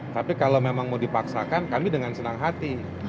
tapi kalau memang mau dipaksakan kami dengan senang hati